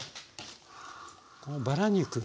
このバラ肉がね